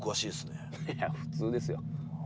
いや普通ですよ。